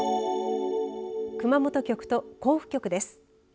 熊本局と甲府局です。